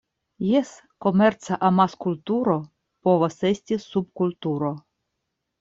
Jes, komerca amaskulturo povas esti subkulturo.